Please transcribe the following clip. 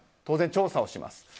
当然、調査をします。